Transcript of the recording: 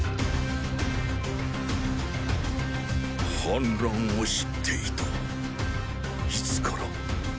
反乱を知っていたいつから。